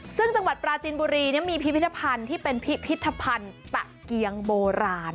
ซึ่งจังหวัดปราจินบุรีมีพิพิธภัณฑ์ที่เป็นพิพิธภัณฑ์ตะเกียงโบราณ